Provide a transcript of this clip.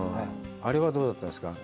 あれはどうだったんですか？